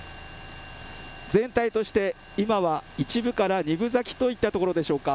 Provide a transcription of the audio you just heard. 全体として、今は１分から２分咲きといったところでしょうか。